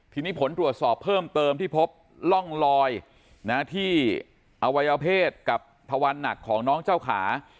ทีนี้ผลตรวจสอบเพิ่มเติมที่พบร่องลอยที่อวัยวเพศกับทวันหนักของน้องเจ้าขา